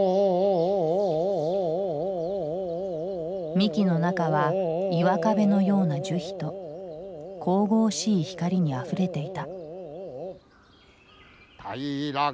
幹の中は岩壁のような樹皮と神々しい光にあふれていた。